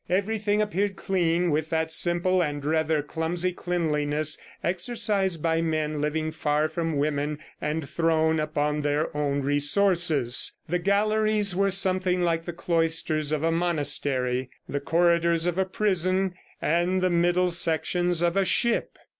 Everything appeared clean with that simple and rather clumsy cleanliness exercised by men living far from women and thrown upon their own resources. The galleries were something like the cloisters of a monastery, the corridors of a prison, and the middle sections of a ship.